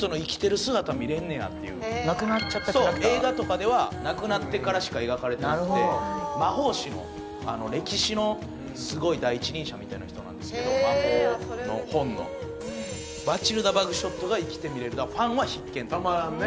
亡くなっちゃったキャラクターそう映画とかでは亡くなってからしか描かれてなくて魔法史の歴史のすごい第一人者みたいな人なんですけど魔法の本のバチルダ・バグショットが生きて見れるファンは必見というかたまらんね